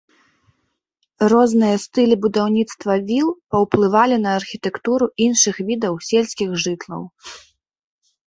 Розныя стылі будаўніцтва віл паўплывалі на архітэктуру іншых відаў сельскіх жытлаў.